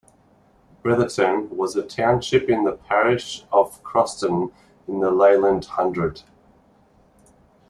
Bretherton was a township in the parish of Croston in the Leyland hundred.